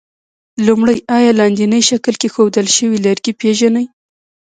لومړی: آیا لاندیني شکل کې ښودل شوي لرګي پېژنئ؟